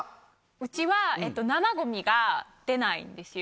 うちは、生ごみが出ないんですよ。